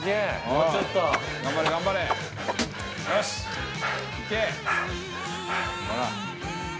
もうちょっと頑張れ頑張れよしいけ！